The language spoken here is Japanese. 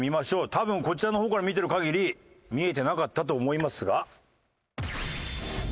多分こちらの方から見てる限り見えてなかったと思いますが。